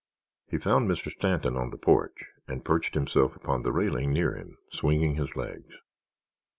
He found Mr. Stanton on the porch, and perched himself upon the railing near him, swinging his legs.